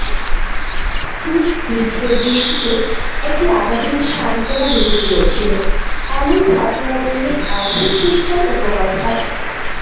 ক্রুশবিদ্ধ যিশুকে একটি আবাবিল সান্ত্বনা দিতে চেয়েছিল, এমন ঘটনার উল্লেখ আছে খ্রিস্টান উপকথায়।